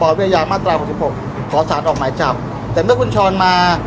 พี่แจงในประเด็นที่เกี่ยวข้องกับความผิดที่ถูกเกาหา